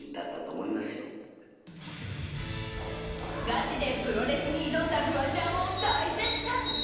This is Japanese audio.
ガチでプロレスに挑んだフワちゃんを大絶賛。